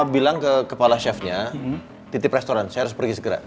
bilang ke kepala chefnya titip restoran saya harus pergi segera